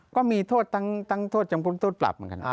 ก็มีโทษทั้งจังพลโทษปรับเหมือนกัน